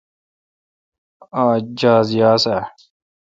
آج جاز یاس آ؟